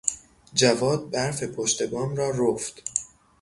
جواد برف پشت بام را رفت.